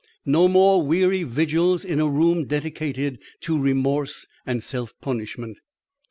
No more weary vigils in a room dedicated to remorse and self punishment.